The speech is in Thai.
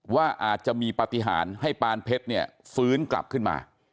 ว่าอาจจะมีปฏิหารให้ปานเพชรเนี่ยฟื้นกลับขึ้นมา